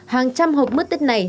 hàng trăm hộp mứt tết này